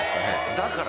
だから。